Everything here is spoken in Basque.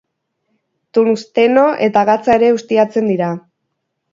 Tungsteno eta gatza ere ustiatzen dira.